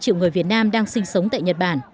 ba triệu người việt nam đang sinh sống tại nhật bản